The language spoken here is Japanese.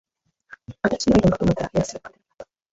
新しいアイドルかと思ったら、ヘアスタイル変えただけだった